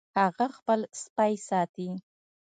هغه خپل سپی ساتي